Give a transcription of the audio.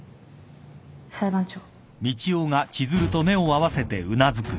裁判長。